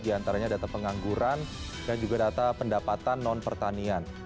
di antaranya data pengangguran dan juga data pendapatan non pertanian